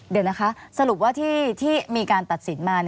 เดี๋ยวนะคะสรุปว่าที่มีการตัดสินมา